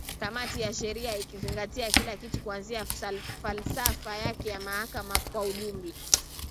kamati ya sheria ikizingatia kila kitu kuanzia falsafa yake ya mahakama kwa ujumla